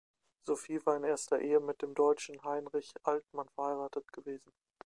Sophie war in erster Ehe mit dem Deutschen Heinrich Altmann verheiratet gewesen.